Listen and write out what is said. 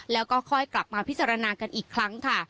แล้วก็ค่อยกลับมาพิจารณากันอีกครั้งค่ะ